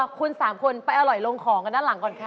คุณ๓คนไปอร่อยลงของกันด้านหลังก่อนค่ะ